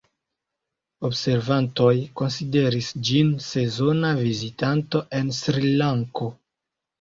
Observantoj konsideris ĝin sezona vizitanto en Srilanko.